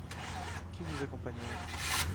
Qui vous accompagnait ?